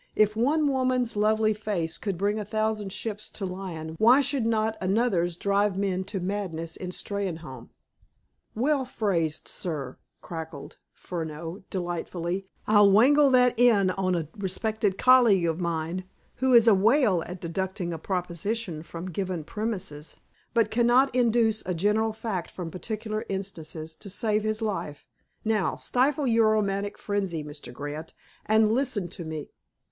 "If one woman's lovely face could bring a thousand ships to Ilion, why should not another's drive men to madness in Steynholme?" "Well phrased, sir," cackled Furneaux delightedly. "I'll wangle that in on a respected colleague of mine, who is a whale at deducing a proposition from given premises, but cannot induce a general fact from particular instances to save his life ... Now, stifle your romantic frenzy, Mr. Grant, and listen to me.